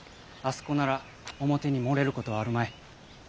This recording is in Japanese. あそこなら表に漏れることはあるまい。